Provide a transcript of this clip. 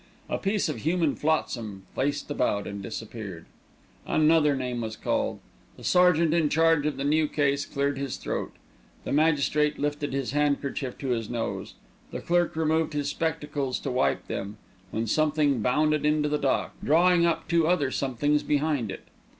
A piece of human flotsam faced about and disappeared. Another name was called. The sergeant in charge of the new case cleared his throat. The magistrate lifted his handkerchief to his nose, the clerk removed his spectacles to wipe them, when something bounded into the dock, drawing up two other somethings behind it.